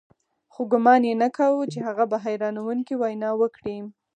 خو ګومان يې نه کاوه چې هغه به حيرانوونکې وينا وکړي.